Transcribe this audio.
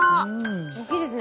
大きいですね。